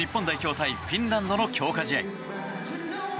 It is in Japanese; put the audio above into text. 対フィンランドの強化試合。